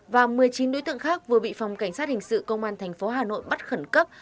và một mươi chín đối tượng khác vừa bị phòng cảnh sát hình sự công an tp hà nội bắt khẩn cấp